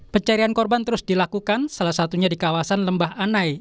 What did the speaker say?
pencarian korban terus dilakukan salah satunya di kawasan lembah anai